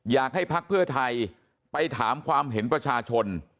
อยากให้พักเพื่อไทยไปถามความเห็นประชาชน